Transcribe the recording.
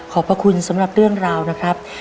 พระคุณสำหรับเรื่องราวนะครับ